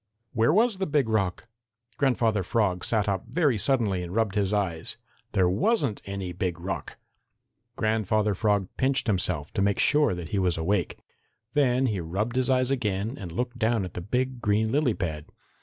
Where was the Big Rock? Grandfather Frog sat up very suddenly and rubbed his eyes. There wasn't any Big Rock! Grandfather Frog pinched himself to make sure that he was awake. Then he rubbed his eyes again and looked down at the big green lily pad.